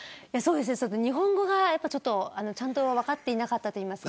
日本語がちゃんと分かっていなかったと言いますか。